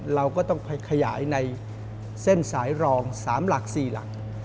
เราก็ต้องไปขยายในเส้นสายรอง๓หลัก๔หลัก